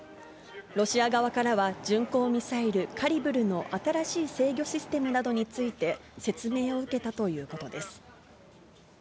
ロシア側からは巡航ミサイル、カリブルの新しい制御システムなどについて、説明を受けたということです。